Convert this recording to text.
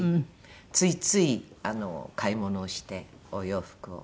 ついつい買い物をしてお洋服を。